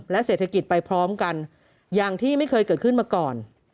เศรษฐกิจไปพร้อมกันอย่างที่ไม่เคยเกิดขึ้นมาก่อน